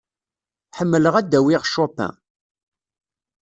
Ḥemmleɣ ad d-awiɣ Chopin.